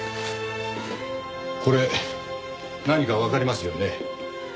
これ何かわかりますよね？